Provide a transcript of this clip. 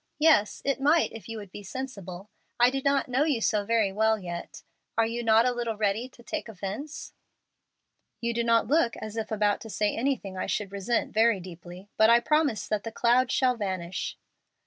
Yes, it might if you would be sensible. I do not know you so very well yet. Are you not a little ready to take offence?" "You do not look as if about to say anything I should resent very deeply. But I promise that the cloud shall vanish."